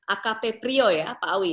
akp prio ya pak awi